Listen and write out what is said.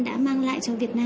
đã mang lại cho việt nam